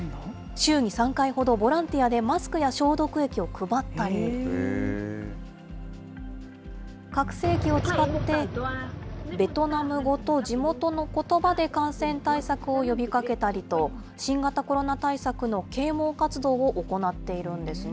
週に３回ほどボランティアでマスクや消毒液を配ったり、拡声機を使って、ベトナム語と地元のことばで感染対策を呼びかけたりと、新型コロナ対策の啓もう活動を行っているんですね。